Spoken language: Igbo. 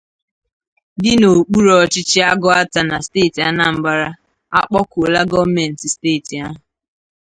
dị n'okpuru ọchịchị Agụata na steeti Anambra akpọkuola gọọmenti steeti ahụ